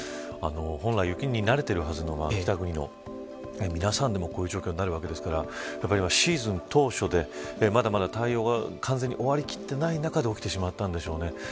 本来雪に慣れているはずの北国の皆さんでもこういう状況になるわけですからシーズン当初でまだまだ対応が終わり切ってない中で起きてしまったんでしょうね。